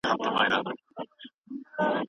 د رنګینو رڼاګانو اقیانوس دی